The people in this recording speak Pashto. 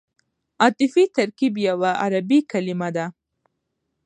عطفي ترکیب یوه عربي کلیمه ده.